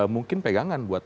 mungkin pegangan buat